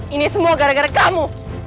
ini semua gara gara kamu